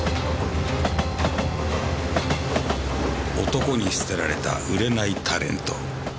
男に捨てられた売れないタレント。